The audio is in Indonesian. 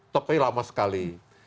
tapi lama sekali